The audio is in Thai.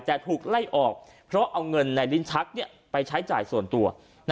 แต่ถูกไล่ออกเพราะเอาเงินในลิ้นชักไปใช้จ่ายส่วนตัว